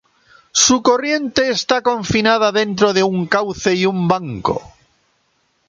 Su corriente está confinada dentro de un cauce y un banco.